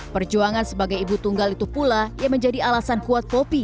perjuangan sebagai ibu tunggal itu pula yang menjadi alasan kuat popi